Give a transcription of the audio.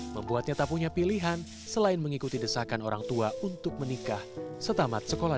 membuatnya tak punya pilihan selain mengikuti desakan orang tua untuk menikah setamat sekolah